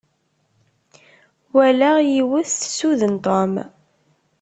Walaɣ yiwet tessuden Tom.